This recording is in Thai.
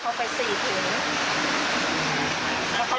ขอเอาพิเศษก็เลยตักให้เขาไป๔ถุง